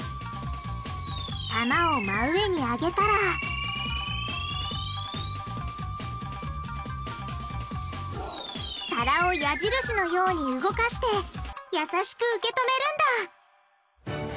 玉を真上に上げたら皿を矢印のように動かしてやさしく受け止めるんだ！